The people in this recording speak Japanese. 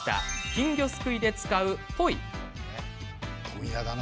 金魚すくいで使うポイ。